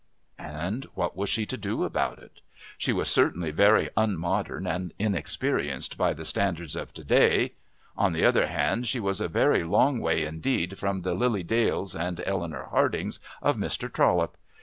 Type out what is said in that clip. And what was she to do about it? She was certainly very unmodern and inexperienced by the standards of to day on the other hand, she was a very long way indeed from the Lily Dales and Eleanor Hardings of Mr. Trollope.